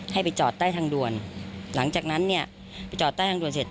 ให้ไปจอดใต้ทางด่วนหลังจากนั้นเนี่ยไปจอดใต้ทางด่วนเสร็จ